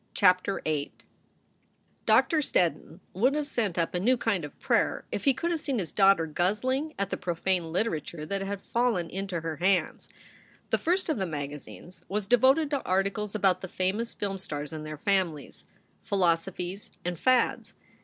CHAPTER VIII DOCTOR STEDDON would have sent up a new kind of prayer if he could have seen his daughter guzzling at the profane literature that had fallen into her hands. The first of the magazines was devoted to articles about the famous film stars and their families, philosophies, and fads.